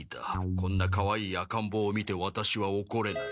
こんなかわいい赤んぼうを見てワタシはおこれない。